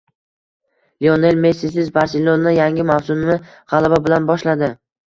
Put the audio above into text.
Lionel Messisiz “Barselona” yangi mavsumni g‘alaba bilan boshladi